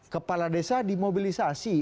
kepala desa dimobilisasi